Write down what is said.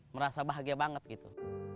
merasa bahagia banget gitu